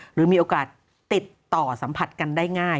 หรือมีโอกาสติดต่อสัมผัสกันได้ง่าย